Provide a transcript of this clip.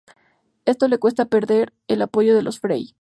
Esto le cuesta perder el apoyo de los Frey.